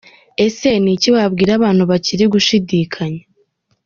Ese ni iki wabwira abantu bakiri gushidikanya?.